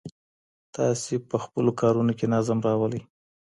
تاسي په خپلو کارونو کي نظم راولئ.